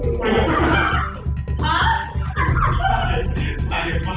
สวัสดีครับวันนี้เราจะกลับมาเมื่อไหร่